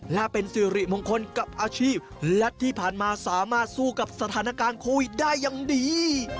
และเป็นสิริมงคลกับอาชีพและที่ผ่านมาสามารถสู้กับสถานการณ์โควิดได้อย่างดี